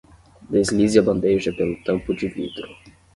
Deslize a bandeja pelo tampo de vidro.